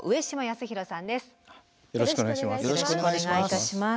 よろしくお願いします。